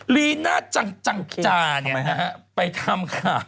ลีน่าจังจังจ่าเนี่ยนะฮะ